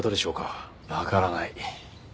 わからない。